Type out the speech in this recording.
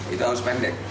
itu harus pendek